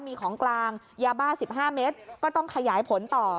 มีของกลางยาบ้า๑๕เมตรก็ต้องขยายผลต่อ